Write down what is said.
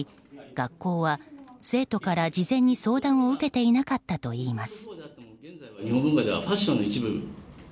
学校は生徒から事前に、相談を受けていなかったといいます。